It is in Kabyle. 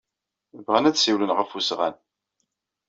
Bɣan ad ssiwlen ɣef wesɣan.